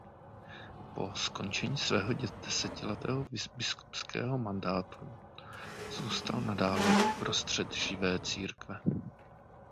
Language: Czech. Po skončení svého desetiletého biskupského mandátu zůstal nadále uprostřed živé církve.